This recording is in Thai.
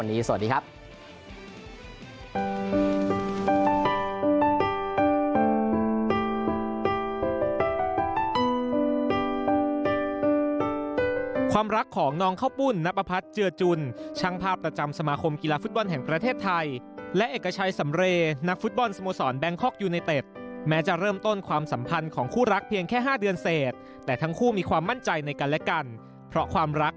ดีความสุขในวันของความรักวันนี้สวัสดีครับ